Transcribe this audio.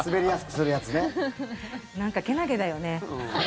なんかけなげだよね。